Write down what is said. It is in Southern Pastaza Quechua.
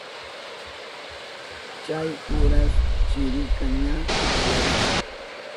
Chay uras chirika ña kallarirka.